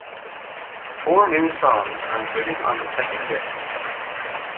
Four new songs are included on the second disc.